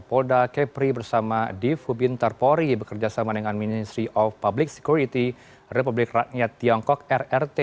polda kepri bersama div hubin tarpori bekerjasama dengan ministry of public security republik rakyat tiongkok rrt